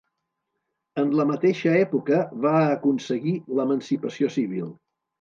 En la mateixa època va aconseguir l'emancipació civil.